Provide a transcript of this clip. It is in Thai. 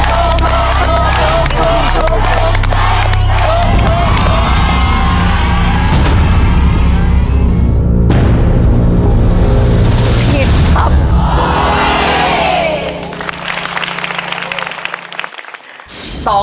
โอ้โห